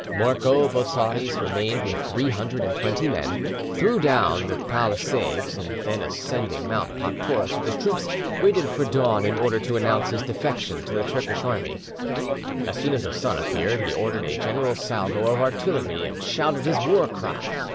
Morco Botzaris remained with three hundred and twenty men, threw down the palisades, and then ascending Mount Paktoras with his troops, waited for dawn in order to announce his defection to the Turkish army. As soon as the sun appeared he ordered a general salvo of artillery and shouted his war cry.